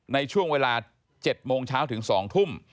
ในช่วงเวลา๗โมงเช้าถึง๒ทุ่ม